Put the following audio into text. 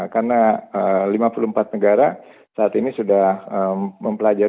karena lima puluh empat negara saat ini sudah mempelajari